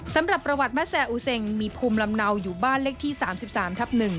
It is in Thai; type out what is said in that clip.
สำหรับประวัติแม่แซ่อูเซงมีภูมิลำเนาอยู่บ้านเลขที่๓๓ทับ๑